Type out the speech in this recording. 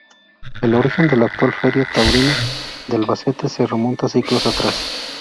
El origen de la actual Feria Taurina de Albacete se remonta siglos atrás.